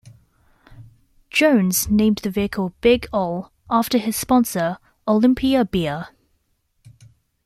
Jones named the vehicle "Big Oly" after his sponsor Olympia Beer.